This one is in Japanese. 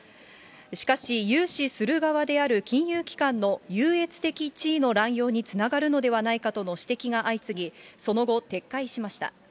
しかし、融資する側である金融機関の優越的地位の乱用につながるのではないかとの指摘が相次ぎ、その後、撤回しました。